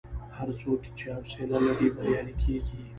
هر څوک چې حوصله لري، بریالی کېږي.